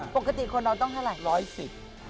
ปกติคนเราต้องเท่าไร